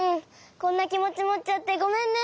こんなきもちもっちゃってごめんね。